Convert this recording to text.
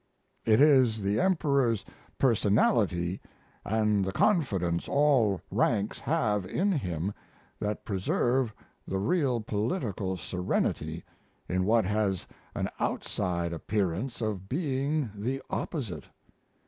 It is the Emperor's personality and the confidence all ranks have in him that preserve the real political serenity in what has an outside appearance of being the opposite.